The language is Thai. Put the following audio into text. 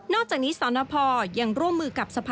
นอกจากนี้สอนพอยังร่วมมือกับ